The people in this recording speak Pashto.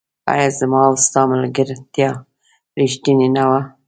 آيا زما او ستا ملګرتيا ريښتيني نه وه